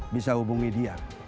bisa hubungi dia